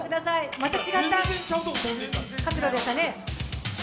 また違った角度でしたね。